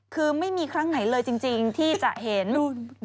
คือไม่มีครั้งไหนเลยจริงที่จะเห็น